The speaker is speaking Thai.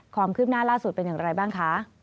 ความคืบหน้าล่าสุดเป็นอย่างไรบ้างคะ